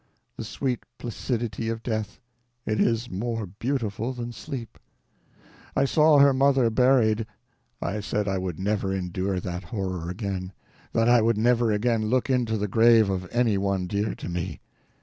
The sweet placidity of death! it is more beautiful than sleep. I saw her mother buried. I said I would never endure that horror again; that I would never again look into the grave of any one dear to me.